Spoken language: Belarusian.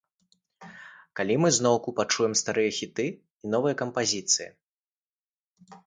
Калі мы зноўку пачуем старыя хіты і новыя кампазіцыі?